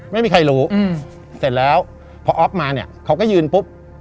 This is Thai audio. ไม่มีใครรู้เสร็จแล้วพออ๊อฟมาเนี่ยเขาก็ยืนปุ๊บ